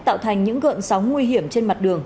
tạo thành những gợn sóng nguy hiểm trên mặt đường